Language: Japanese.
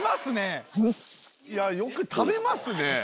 よく食べますね。